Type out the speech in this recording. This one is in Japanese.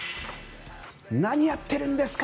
何やってるんですか！